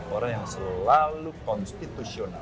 orang yang selalu konstitusional